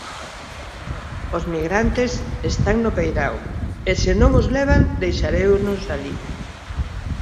Os migrantes están no peirao e se non os levan deixareinos alí.